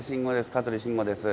香取慎吾です。